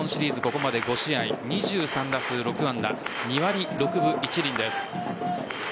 ここまで５試合２３打数６安打２割６分１厘です。